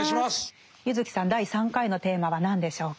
柚木さん第３回のテーマは何でしょうか。